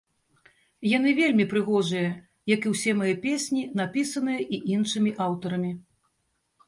Яны вельмі прыгожыя, як і ўсе мае песні, напісаныя і іншымі аўтарамі.